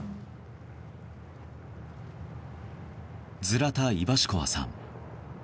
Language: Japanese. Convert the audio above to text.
ズラタ・イバシュコワさん。